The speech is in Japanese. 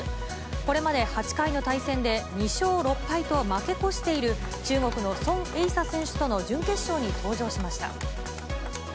これまで８回の対戦で、２勝６敗と負け越している、中国の孫頴莎選手との準決勝に登場しました。